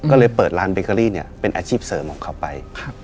ก็เลยเปิดร้านเบเกอรี่เนี่ยเป็นอาชีพเสริมของเขาไป